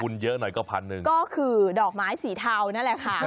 คุณเยอะหน่อยก็พันหนึ่งก็คือดอกไม้สีเทานั่นแหละค่ะ